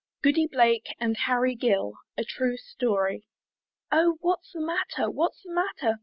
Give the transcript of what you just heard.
GOODY BLAKE, AND HARRY GILL, A TRUE STORY. Oh! what's the matter? what's the matter?